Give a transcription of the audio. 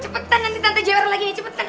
cepetan nanti tante jawara lagi nih cepetan